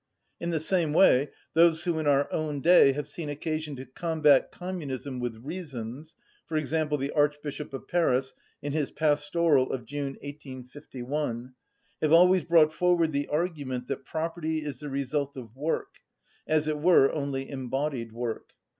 In the same way, those who in our own day have seen occasion to combat communism with reasons (for example, the Archbishop of Paris, in his pastoral of June 1851) have always brought forward the argument that property is the result of work, as it were only embodied work.